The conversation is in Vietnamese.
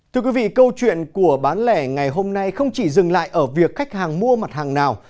thưa quý vị câu chuyện của bán lẻ ngày hôm nay không chỉ dừng lại ở việc khách hàng mua mặt hàng nào